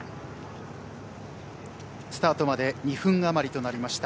スタートまで２分余りとなりました。